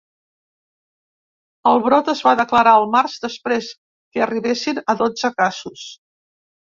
El brot es va declarar al març després que arribessin a dotze casos.